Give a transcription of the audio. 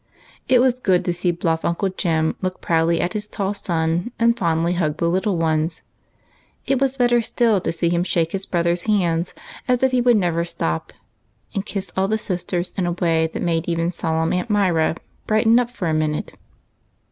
It was good to see bluff Uncle Jem look proudly at his tall son, and fondly hug the little ones. It was better still to see him shake his brothers' hands as if he would never leave off, and kiss all the sisters in a way that made even solemn Aunt Myra brighten up for a minute.